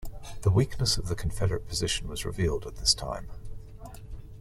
The weakness of the Confederate position was revealed at this time.